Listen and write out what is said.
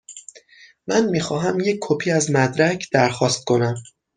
من می خواهم یک کپی از مدرک درخواست کنم.